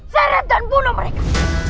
seret dan bunuh mereka